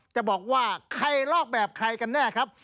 จะบอกว่าใครลอกแบบใครกันแน่ครับ